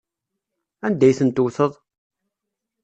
Anda ay ten-tewteḍ?